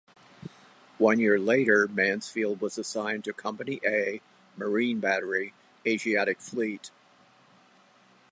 One year later, Mansfield was assigned to Company A, Marine Battery, Asiatic Fleet.